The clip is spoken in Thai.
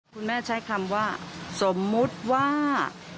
คุณแม่ใช้คำว่าสมมุติว่า